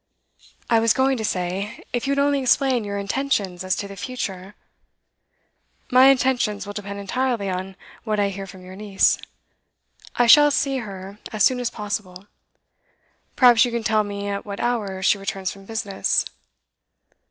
'I was going to say if you would only explain your intentions as to the future ' 'My intentions will depend entirely on what I hear from your niece. I shall see her as soon as possible. Perhaps you can tell me at what hour she returns from business?